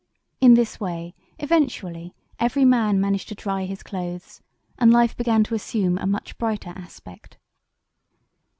In this way eventually every man managed to dry his clothes, and life began to assume a much brighter aspect.